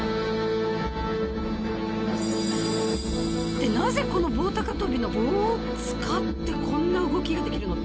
でなぜこの棒高跳びの棒を使ってこんな動きができるのって。